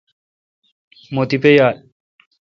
مہ تیپہ یال۔